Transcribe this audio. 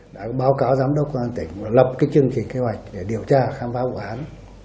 đã báo cáo giám đốc quan tỉnh lập chương trình kế hoạch để điều tra khám phá bộ án